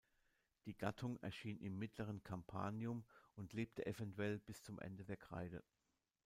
Die Gattung erschien im mittleren Campanium und lebte eventuell bis zum Ende der Kreide.